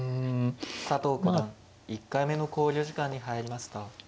佐藤九段１回目の考慮時間に入りました。